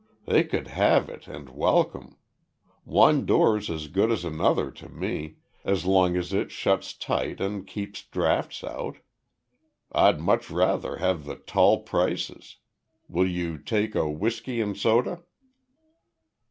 "They could have it and welcome. One door's as good as another to me, as long as it shuts tight and keeps draughts out. I'd much rather have the `tall prices.' Will you take a whisky and soda?"